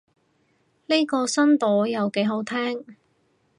呢個新朵又幾好聽